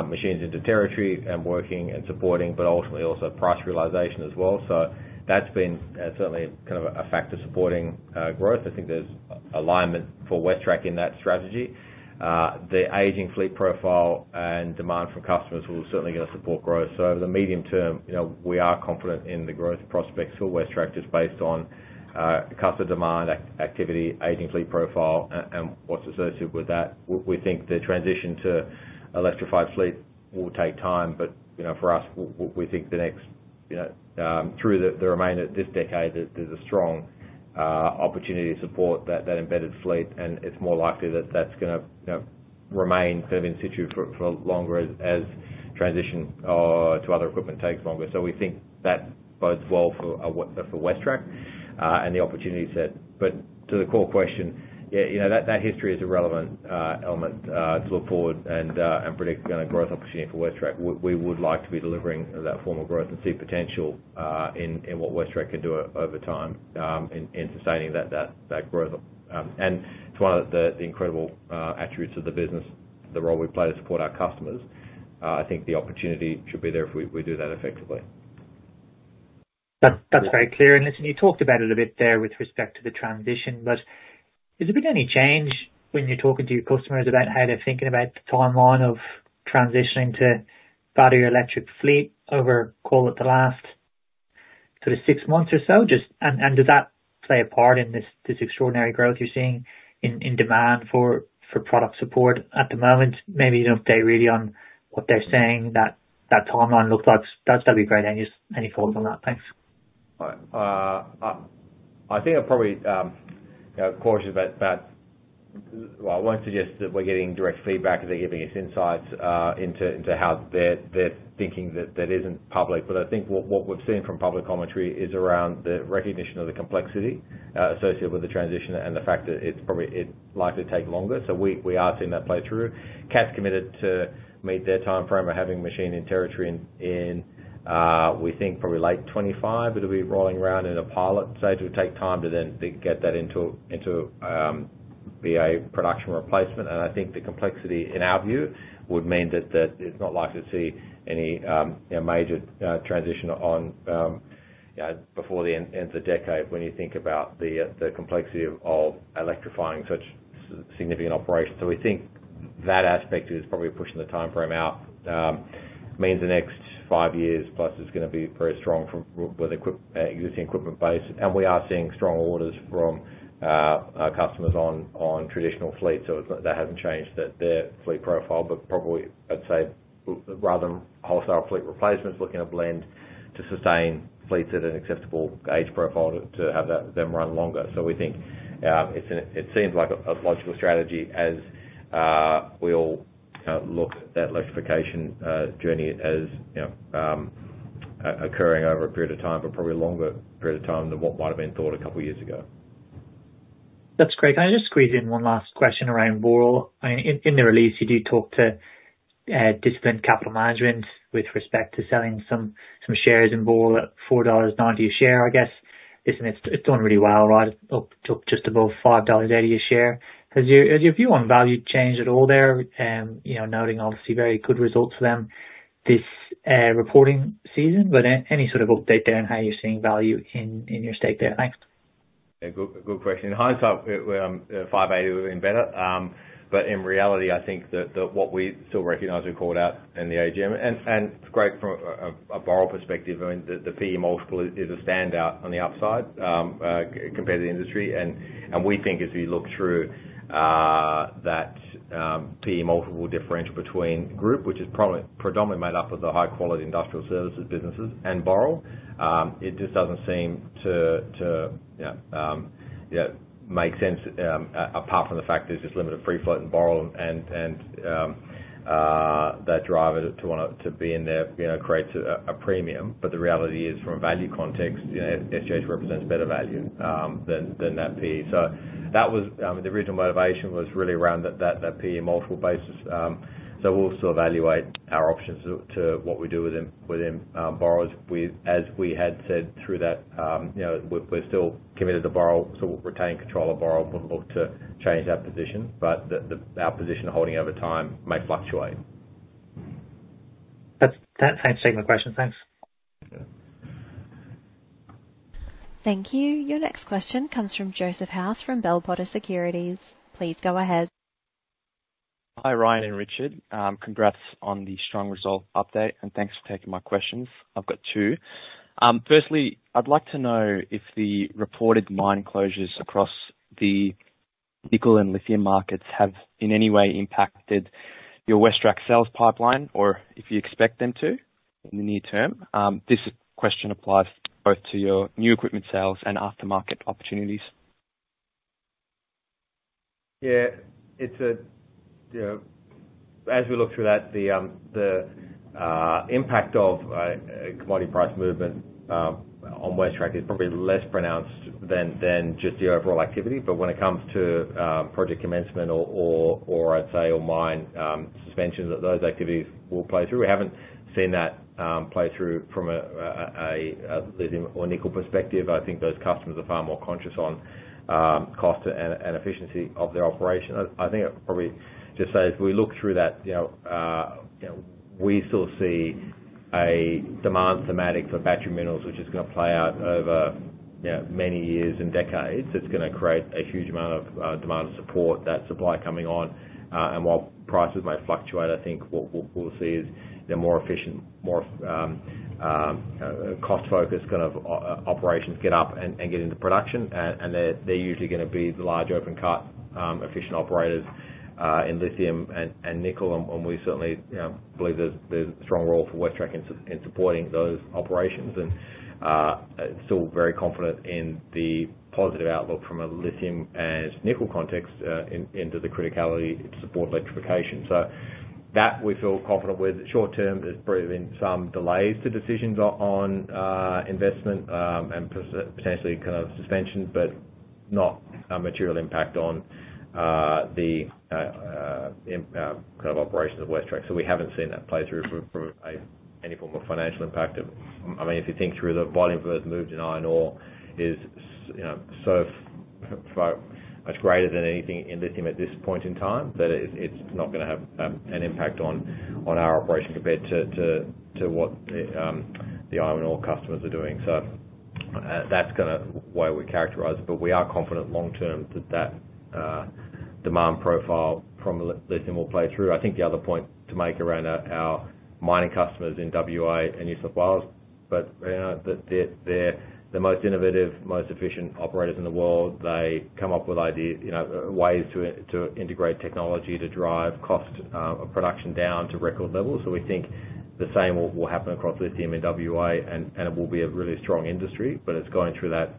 machines into territory and working and supporting, but ultimately also price realization as well. So that's been certainly kind of a factor supporting growth. I think there's alignment for WesTrac in that strategy. The aging fleet profile and demand from customers will certainly going to support growth. So over the medium term, we are confident in the growth prospects for WesTrac just based on customer demand, activity, aging fleet profile, and what's associated with that. We think the transition to electrified fleet will take time. But for us, we think the next through the remainder of this decade, there's a strong opportunity to support that embedded fleet. And it's more likely that that's going to remain kind of in situ for longer as transition to other equipment takes longer. So we think that bodes well for WesTrac and the opportunity set. But to the core question, yeah, that history is a relevant element to look forward and predict kind of growth opportunity for WesTrac. We would like to be delivering that form of growth and see potential in what WesTrac can do over time in sustaining that growth. It's one of the incredible attributes of the business, the role we play to support our customers. I think the opportunity should be there if we do that effectively. That's very clear. And listen, you talked about it a bit there with respect to the transition, but has there been any change when you're talking to your customers about how they're thinking about the timeline of transitioning to battery electric fleet over, call it, the last sort of six months or so? And does that play a part in this extraordinary growth you're seeing in demand for product support at the moment? Maybe you don't stay really on what they're saying, that timeline looks like. That'd be great. Any thoughts on that? Thanks. I think I'm probably cautious about, well, I won't suggest that we're getting direct feedback as they're giving us insights into how they're thinking that isn't public. But I think what we've seen from public commentary is around the recognition of the complexity associated with the transition and the fact that it's likely to take longer. So we are seeing that play through. Cat's committed to meet their timeframe of having machine in territory in, we think, probably late 2025. It'll be rolling around in a pilot, so it'll take time to then get that into be a production replacement. And I think the complexity, in our view, would mean that it's not likely to see any major transition before the end of the decade when you think about the complexity of electrifying such significant operations. So we think that aspect is probably pushing the timeframe out. It means the next five years plus is going to be very strong with existing equipment base. And we are seeing strong orders from customers on traditional fleets. So that hasn't changed their fleet profile. But probably, I'd say, rather than wholesale fleet replacements, looking at a blend to sustain fleets at an acceptable age profile to have them run longer. So we think it seems like a logical strategy as we'll kind of look at that electrification journey as occurring over a period of time, but probably a longer period of time than what might have been thought a couple of years ago. That's great. Can I just squeeze in one last question around Boral? In the release, you do talk to disciplined capital management with respect to selling some shares in Boral at 4.90 dollars a share, I guess. Listen, it's done really well, right? It took just above 5.80 dollars a share. Has your view on value changed at all there, noting obviously very good results for them this reporting season? But any sort of update there on how you're seeing value in your stake there? Thanks. Yeah, good question. In hindsight, 5.80 would have been better. But in reality, I think that what we still recognise we called out in the AGM. It's great from a Boral perspective. I mean, the PE multiple is a standout on the upside compared to the industry. We think as we look through that PE multiple differential between Group, which is predominantly made up of the high-quality industrial services businesses, and Boral, it just doesn't seem to make sense apart from the fact there's just limited free float in Boral, and that driver to want to be in there creates a premium. But the reality is, from a value context, SGH represents better value than that PE. So the original motivation was really around that PE multiple basis. We'll still evaluate our options to what we do within Boral. As we had said through that, we're still committed to Boral, so we'll retain control of Boral, wouldn't look to change that position. But our position holding over time may fluctuate. That's a fine segment question. Thanks. Thank you. Your next question comes from Joseph House from Bell Potter Securities. Please go ahead. Hi, Ryan and Richard. Congrats on the strong result update, and thanks for taking my questions. I've got two. Firstly, I'd like to know if the reported mine closures across the nickel and lithium markets have in any way impacted your WesTrac sales pipeline or if you expect them to in the near term. This question applies both to your new equipment sales and aftermarket opportunities. Yeah. As we look through that, the impact of commodity price movement on WesTrac is probably less pronounced than just the overall activity. But when it comes to project commencement or, I'd say, all mine suspensions, those activities will play through. We haven't seen that play through from a lithium or nickel perspective. I think those customers are far more conscious on cost and efficiency of their operation. I think I'll probably just say, as we look through that, we still see a demand thematic for battery minerals, which is going to play out over many years and decades. It's going to create a huge amount of demand to support that supply coming on. And while prices may fluctuate, I think what we'll see is more efficient, more cost-focused kind of operations get up and get into production. They're usually going to be the large open-cut efficient operators in lithium and nickel. We certainly believe there's a strong role for WesTrac in supporting those operations. Still very confident in the positive outlook from a lithium and nickel context into the criticality to support electrification. So that we feel confident with. Short-term, there's probably been some delays to decisions on investment and potentially kind of suspension, but not a material impact on the kind of operations of WesTrac. So we haven't seen that play through any form of financial impact. I mean, if you think through the volume of earth moved in iron ore is so much greater than anything in lithium at this point in time that it's not going to have an impact on our operation compared to what the iron ore customers are doing. That's kind of the way we characterize it. But we are confident long-term that that demand profile from lithium will play through. I think the other point to make around our mining customers in WA and New South Wales, but they're the most innovative, most efficient operators in the world. They come up with ways to integrate technology to drive cost of production down to record levels. So we think the same will happen across lithium in WA, and it will be a really strong industry. But it's going through that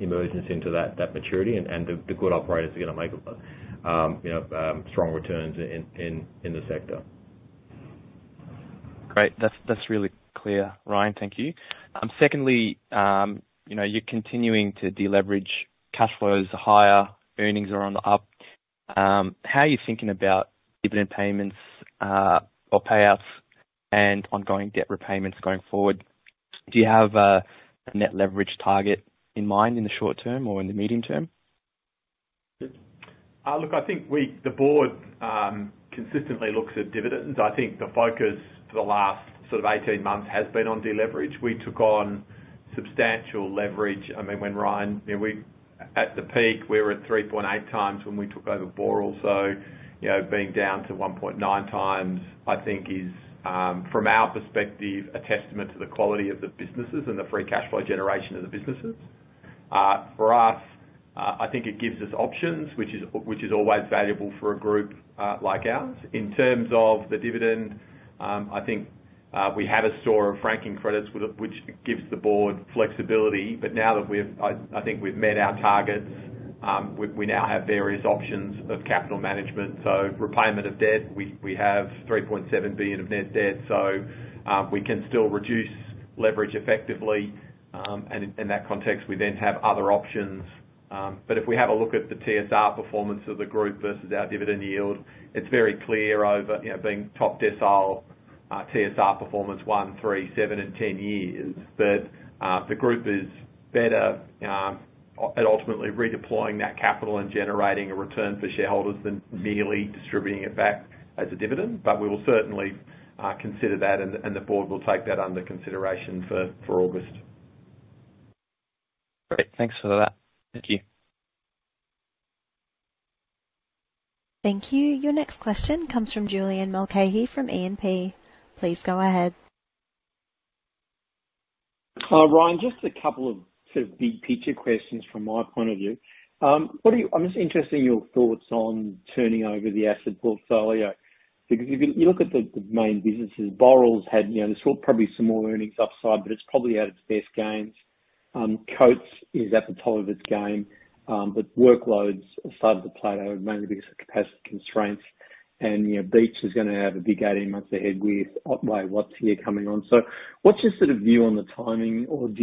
emergence into that maturity, and the good operators are going to make strong returns in the sector. Great. That's really clear, Ryan. Thank you. Secondly, you're continuing to deleverage cash flows higher. Earnings are on the up. How are you thinking about dividend payments or payouts and ongoing debt repayments going forward? Do you have a net leverage target in mind in the short term or in the medium term? Look, I think the board consistently looks at dividends. I think the focus for the last sort of 18 months has been on deleverage. We took on substantial leverage. I mean, when Ryan, at the peak, we were at 3.8x when we took over Boral. So being down to 1.9x, I think, is, from our perspective, a testament to the quality of the businesses and the free cash flow generation of the businesses. For us, I think it gives us options, which is always valuable for a group like ours. In terms of the dividend, I think we have a store of franking credits, which gives the board flexibility. But now that we've, I think, met our targets, we now have various options of capital management. So repayment of debt, we have 3.7 billion of net debt. So we can still reduce leverage effectively. In that context, we then have other options. But if we have a look at the TSR performance of the group versus our dividend yield, it's very clear over being top decile TSR performance one, three, seven, and 10 years, that the group is better at ultimately redeploying that capital and generating a return for shareholders than merely distributing it back as a dividend. But we will certainly consider that, and the board will take that under consideration for August. Great. Thanks for that. Thank you. Thank you. Your next question comes from Julian Mulcahy from E&P. Please go ahead. Ryan, just a couple of sort of big picture questions from my point of view. I'm just interested in your thoughts on turning over the asset portfolio because if you look at the main businesses, Boral's had. There's probably some more earnings upside, but it's probably at its best gains. Coates is at the top of its game, but workloads have started to plateau mainly because of capacity constraints. And Beach is going to have a big 18 months ahead with Waitsia coming on? So what's your sort of view on the timing, or do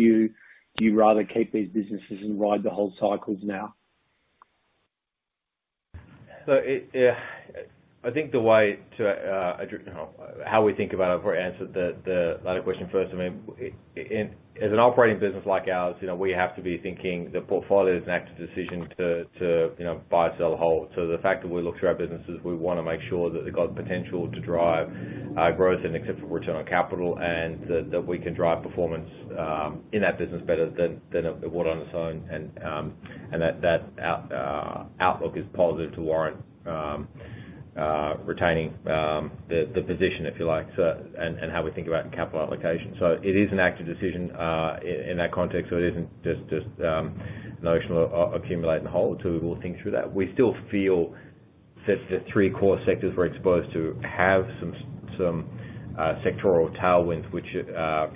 you rather keep these businesses and ride the whole cycles now? So yeah, I think the way to how we think about it, if I answered that question first. I mean, as an operating business like ours, we have to be thinking the portfolio is an active decision to buy, sell, hold. So the fact that we look through our businesses, we want to make sure that they've got the potential to drive growth and accepted return on capital and that we can drive performance in that business better than it would on its own. And that outlook is positive to retaining the position, if you like, and how we think about capital allocation. So it is an active decision in that context. So it isn't just a notion of accumulate and hold until we will think through that. We still feel that the three core sectors we're exposed to have some sectoral tailwinds, which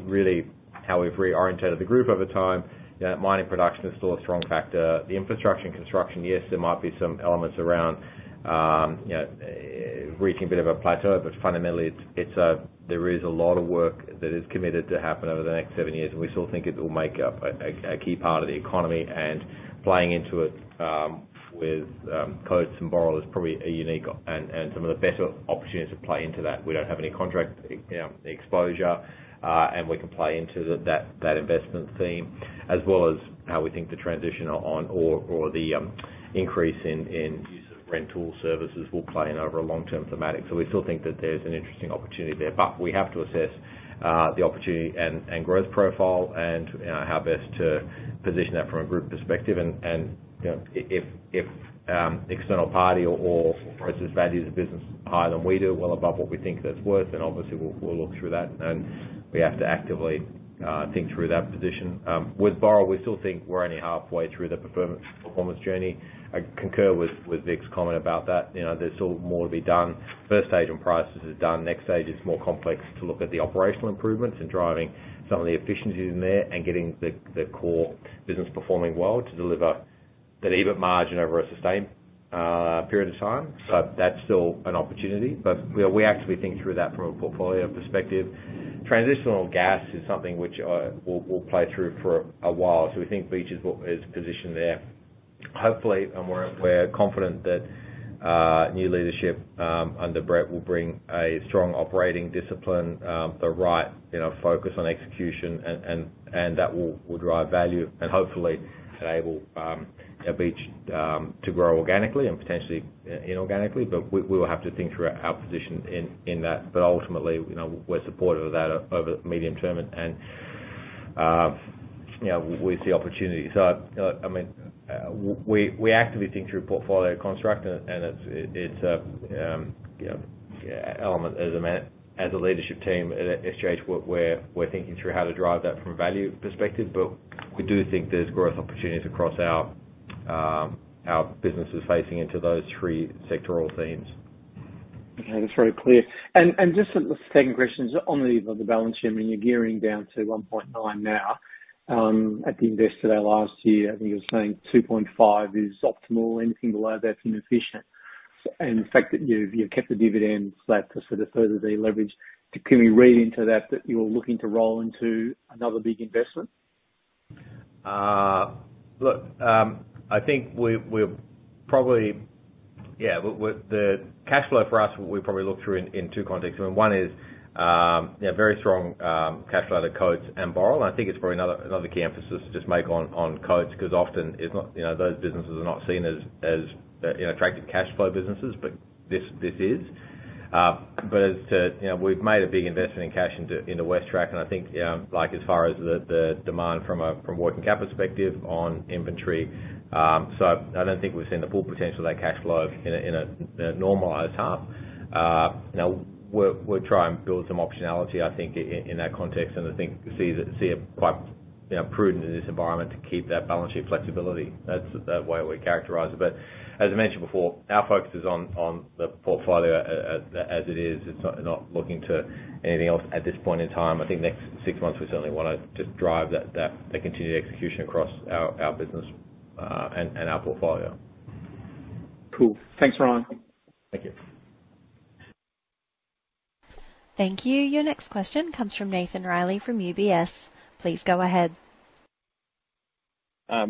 really how we've reoriented the group over time. Mining production is still a strong factor. The infrastructure and construction, yes, there might be some elements around reaching a bit of a plateau, but fundamentally, there is a lot of work that is committed to happen over the next seven years. We still think it will make up a key part of the economy. Playing into it with Coates and Boral is probably a unique and some of the better opportunities to play into that. We don't have any contract exposure, and we can play into that investment theme as well as how we think the transition on ore or the increase in use of rental services will play in over a long-term thematic. So we still think that there's an interesting opportunity there. But we have to assess the opportunity and growth profile and how best to position that from a group perspective. And if an external party or process values the business higher than we do, well above what we think that's worth, then obviously, we'll look through that. And we have to actively think through that position. With Boral, we still think we're only halfway through the performance journey. I concur with Vik's comment about that. There's still more to be done. First stage on prices is done. Next stage is more complex to look at the operational improvements and driving some of the efficiencies in there and getting the core business performing well to deliver that EBIT margin over a sustained period of time. So that's still an opportunity. But we actively think through that from a portfolio perspective. Transitional gas is something which will play through for a while. So we think Beach is positioned there, hopefully. And we're confident that new leadership under Brett will bring a strong operating discipline, the right focus on execution, and that will drive value and hopefully enable Beach to grow organically and potentially inorganically. But we will have to think through our position in that. But ultimately, we're supportive of that over the medium term, and we see opportunity. So I mean, we actively think through portfolio construct, and it's an element as a leadership team at SGH where we're thinking through how to drive that from a value perspective. But we do think there's growth opportunities across our businesses facing into those three sectoral themes. Okay. That's very clear. And just taking questions on the balance sheet. I mean, you're gearing down to 1.9x now. At the Investor Day last year, I think you were saying 2.5x is optimal. Anything below that's inefficient. And the fact that you've kept the dividend flat to sort of further deleverage, can we read into that that you're looking to roll into another big investment? Look, I think we'll probably, yeah, the cash flow for us, we probably look through in two contexts. I mean, one is very strong cash flow out of Coates and Boral. And I think it's probably another key emphasis to just make on Coates because often, those businesses are not seen as attractive cash flow businesses, but this is. But as to we've made a big investment in cash into WesTrac, and I think as far as the demand from a working cap perspective on inventory, so I don't think we've seen the full potential of that cash flow in a normalized half. We'll try and build some optionality, I think, in that context. And I think we see it quite prudent in this environment to keep that balance sheet flexibility. That's the way we characterize it. As I mentioned before, our focus is on the portfolio as it is. It's not looking to anything else at this point in time. I think next six months, we certainly want to just drive that continued execution across our business and our portfolio. Cool. Thanks, Ryan. Thank you. Thank you. Your next question comes from Nathan Reilly from UBS. Please go ahead.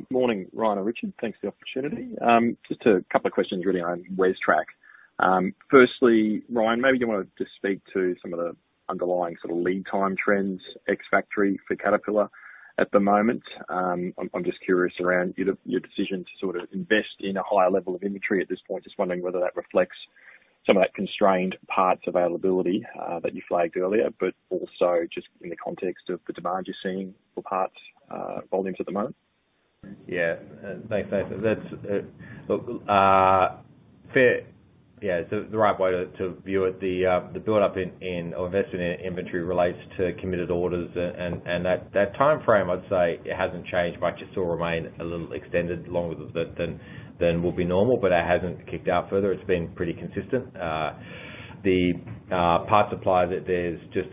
Morning, Ryan and Richard. Thanks for the opportunity. Just a couple of questions really around WesTrac. Firstly, Ryan, maybe you want to just speak to some of the underlying sort of lead time trends, ex-factory for Caterpillar at the moment. I'm just curious around your decision to sort of invest in a higher level of inventory at this point. Just wondering whether that reflects some of that constrained parts availability that you flagged earlier, but also just in the context of the demand you're seeing for parts volumes at the moment. Yeah. Look, yeah, it's the right way to view it. The buildup in our investment in inventory relates to committed orders. That timeframe, I'd say, it hasn't changed. It just will remain a little extended longer than will be normal, but it hasn't kicked out further. It's been pretty consistent. The parts supply, there's just,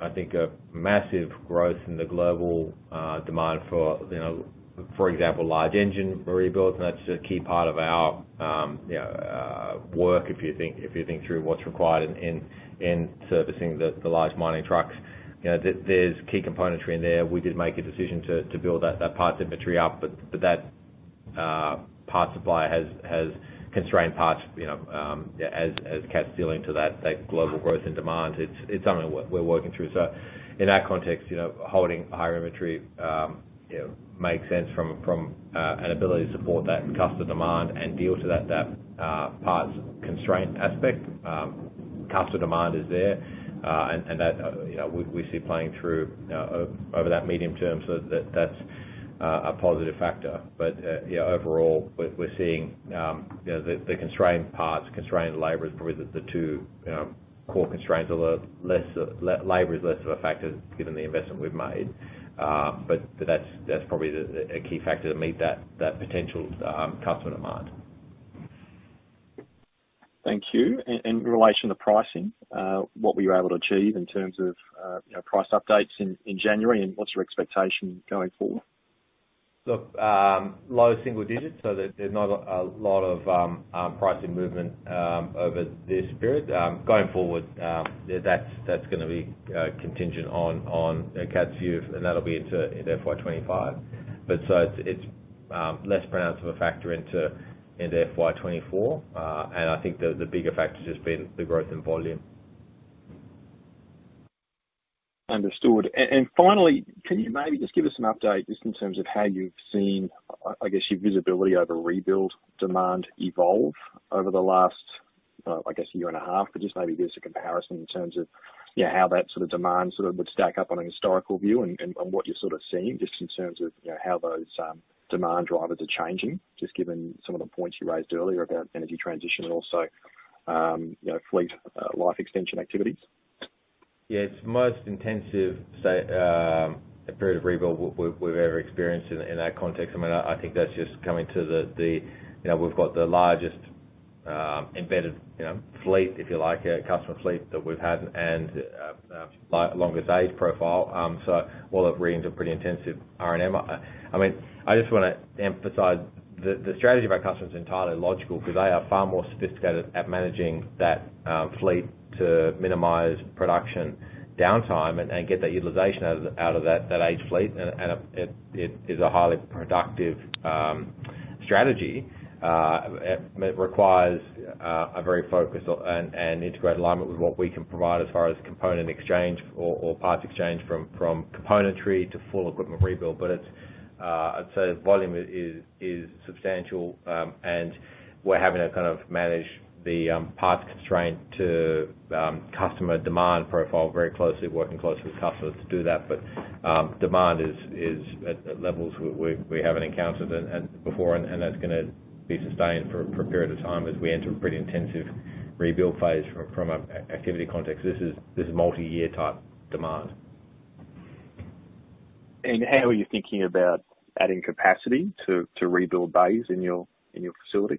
I think, a massive growth in the global demand for, for example, large engine rebuilds. And that's a key part of our work if you think through what's required in servicing the large mining trucks. There's key componentry in there. We did make a decision to build that parts inventory up, but that parts supply has constrained parts as Cat's scaling to that global growth and demand. It's something we're working through. So in that context, holding higher inventory makes sense from an ability to support that customer demand and deal to that parts constraint aspect. Customer demand is there, and we see playing through over that medium term. So that's a positive factor. But overall, we're seeing the constrained parts, constrained labor is probably the two core constraints. Labor is less of a factor given the investment we've made. But that's probably a key factor to meet that potential customer demand. Thank you. And in relation to pricing, what were you able to achieve in terms of price updates in January, and what's your expectation going forward? Look, low single digits. So there's not a lot of pricing movement over this period. Going forward, that's going to be contingent on Cat's view, and that'll be into FY 2025. But so it's less pronounced of a factor into FY 2024. And I think the bigger factor has just been the growth in volume. Understood. And finally, can you maybe just give us an update just in terms of how you've seen, I guess, your visibility over rebuild demand evolve over the last, I guess, year and a half? But just maybe give us a comparison in terms of how that sort of demand sort of would stack up on a historical view and what you're sort of seeing just in terms of how those demand drivers are changing just given some of the points you raised earlier about energy transition and also fleet life extension activities. Yeah. It's the most intensive period of rebuild we've ever experienced in that context. I mean, I think that's just coming to the we've got the largest embedded fleet, if you like, a customer fleet that we've had and longest age profile. So all of readings are pretty intensive R&M. I mean, I just want to emphasize the strategy of our customer is entirely logical because they are far more sophisticated at managing that fleet to minimize production downtime and get that utilization out of that age fleet. And it is a highly productive strategy. It requires a very focused and integrated alignment with what we can provide as far as component exchange or parts exchange from componentry to full equipment rebuild. But I'd say volume is substantial, and we're having to kind of manage the parts constraint to customer demand profile very closely, working closely with customers to do that. But demand is at levels we haven't encountered before, and that's going to be sustained for a period of time as we enter a pretty intensive rebuild phase from an activity context. This is multi-year type demand. How are you thinking about adding capacity to rebuild bays in your facilities?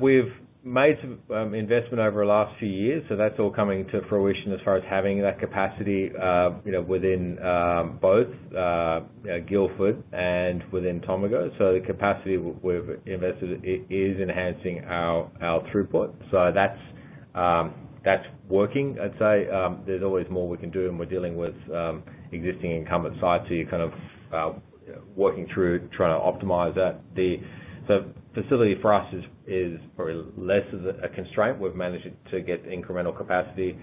We've made some investment over the last few years, so that's all coming to fruition as far as having that capacity within both Guildford and within Tomago. So the capacity we've invested is enhancing our throughput. So that's working, I'd say. There's always more we can do, and we're dealing with existing incumbent sites, so you're kind of working through trying to optimize that. So facility for us is probably less of a constraint. We've managed to get incremental capacity.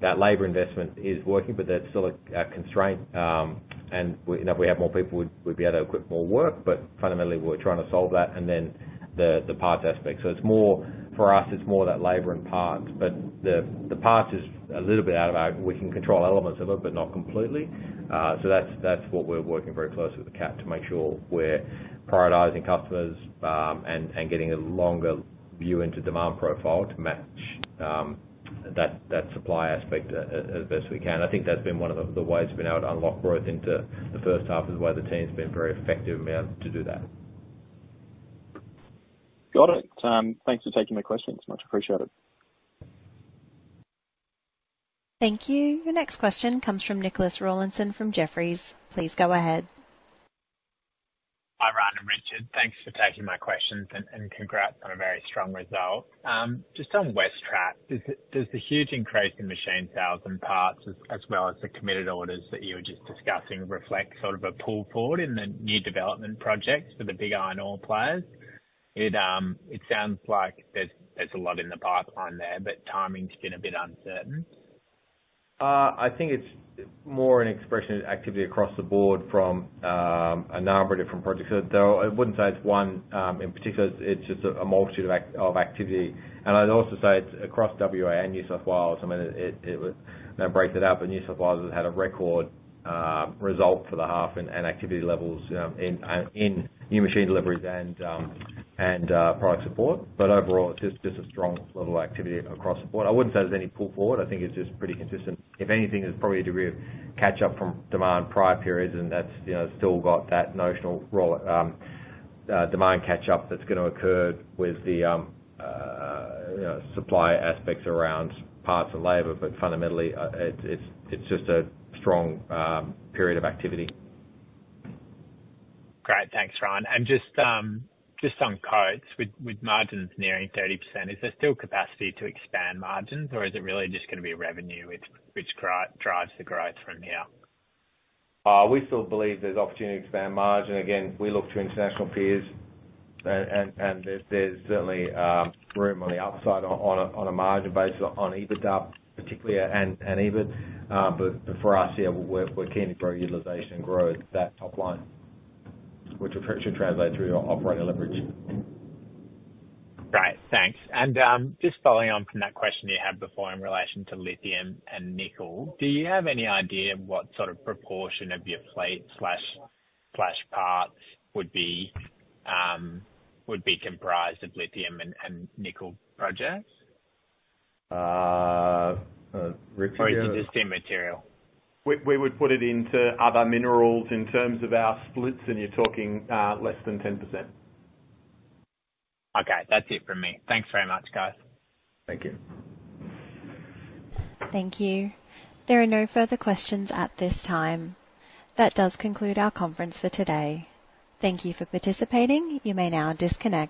That labor investment is working, but that's still a constraint. And if we had more people, we'd be able to equip more work. But fundamentally, we're trying to solve that and then the parts aspect. So for us, it's more that labor and parts, but the parts is a little bit out of our we can control elements of it, but not completely. So that's what we're working very closely with Cat to make sure we're prioritizing customers and getting a longer view into demand profile to match that supply aspect as best we can. I think that's been one of the ways we've been able to unlock growth into the first half is the way the team's been very effective in being able to do that. Got it. Thanks for taking my questions. Much appreciated. Thank you. Your next question comes from Nicholas Rawlinson from Jefferies. Please go ahead. Hi, Ryan and Richard. Thanks for taking my questions and congrats on a very strong result. Just on WesTrac, does the huge increase in machine sales and parts as well as the committed orders that you were just discussing reflect sort of a pull forward in the new development projects for the big iron ore players? It sounds like there's a lot in the pipeline there, but timing's been a bit uncertain. I think it's more an expression of activity across the board from a number of different projects. Though I wouldn't say it's one in particular. It's just a multitude of activity. I'd also say it's across WA and New South Wales. I mean, I'll break that up. New South Wales has had a record result for the half in activity levels in new machine deliveries and product support. Overall, it's just a strong level of activity across support. I wouldn't say there's any pull forward. I think it's just pretty consistent. If anything, there's probably a degree of catch-up from demand prior periods, and that's still got that notional demand catch-up that's going to occur with the supply aspects around parts and labor. Fundamentally, it's just a strong period of activity. Great. Thanks, Ryan. Just on Coates, with margins nearing 30%, is there still capacity to expand margins, or is it really just going to be revenue which drives the growth from here? We still believe there's opportunity to expand margin. Again, we look to international peers, and there's certainly room on the upside on a margin based on EBITDA, particularly an EBIT. But for us here, we're keen to grow utilization and grow at that top line, which should translate through your operating leverage. Great. Thanks. Just following on from that question you had before in relation to lithium and nickel, do you have any idea what sort of proportion of your parts would be comprised of lithium and nickel projects? Rough figure. Or is it just in material? We would put it into other minerals in terms of our splits, and you're talking less than 10%. Okay. That's it from me. Thanks very much, guys. Thank you. Thank you. There are no further questions at this time. That does conclude our conference for today. Thank you for participating. You may now disconnect.